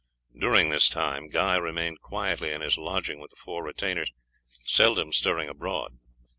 During this time Guy remained quietly in his lodging with the four retainers, seldom stirring abroad.